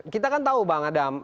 kita kan tahu bang ada